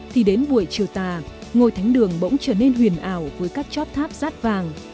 thì đến buổi chiều tà ngôi thánh đường bỗng trở nên huyền ảo với các chóp tháp rát vàng